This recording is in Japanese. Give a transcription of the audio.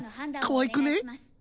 かわいくね？